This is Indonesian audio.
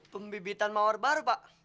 pembibitan mawar baru pak